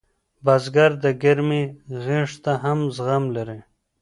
بزګر د ګرمۍ غېږ ته هم زغم لري